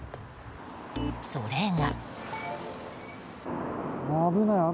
それが。